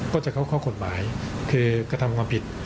ก็จะเข้าข้อกฎหมายคือกระทำความผิด